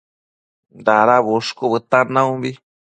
Dada bushcu bëtan naumbi